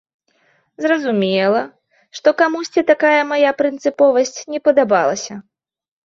Зразумела, што камусьці такая мая прынцыповасць не падабалася.